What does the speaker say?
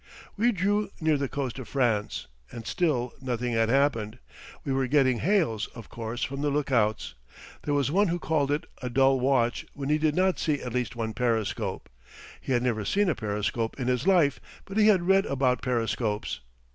We drew near the coast of France, and still nothing had happened. We were getting hails, of course, from the lookouts. There was one who called it a dull watch when he did not see at least one periscope. He had never seen a periscope in his life, but he had read about periscopes.